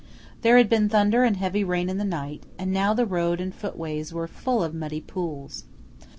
There had been thunder and heavy rain in the night, and now the road and footways were full of muddy pools.